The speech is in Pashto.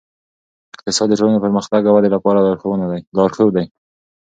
اقتصاد د ټولنې پرمختګ او ودې لپاره لارښود دی.